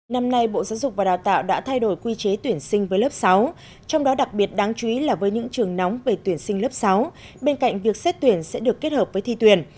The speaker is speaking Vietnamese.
năm nay bộ giáo dục và đào tạo đã thay đổi quy chế tuyển sinh với lớp sáu trong đó đặc biệt đáng chú ý là với những trường nóng về tuyển sinh lớp sáu bên cạnh việc xét tuyển sẽ được kết hợp với thi tuyển